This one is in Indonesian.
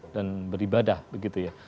dan beribadah begitu ya